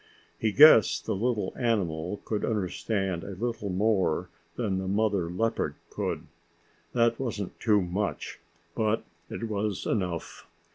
He guessed the little animal could understand a little more than the mother leopard could. That wasn't too much, but it was enough.